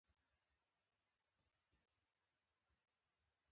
ګډ باورونه د ګډ ژوند لاره برابروي.